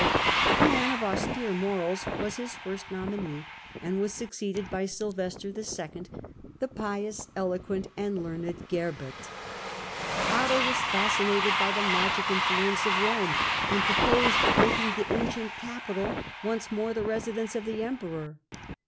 a man of austere morals, was his first nominee, and was succeeded by Sylvester 11., the pious, eloquent, and learned Gerbert. Otto was fascinated by the magic influence of Rome, and purposed making the ancient capital once more the residence of the emperor.